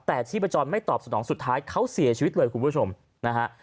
แต่ชีพจรไม่ตอบสนองสุดท้ายเขาเสียชีวิตเลยคุณผู้ชมนะฮะ